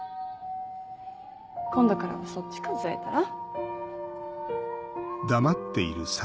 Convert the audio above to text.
今度からはそっち数えたら？